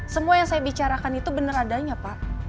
semua yang saya bicarakan itu benar adanya pak